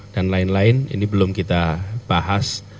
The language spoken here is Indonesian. dan lain lain ini belum kita bahas